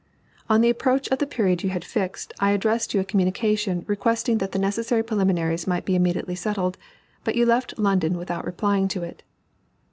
On the approach of the period you had fixed, I addressed you a communication, requesting that the necessary preliminaries might be immediately settled, but you left London without replying to it.